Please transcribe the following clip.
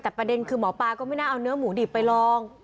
แต่ประเด็นคือหมอปลาก็ไม่น่าเอาเนื้อหมูดิบไปลอง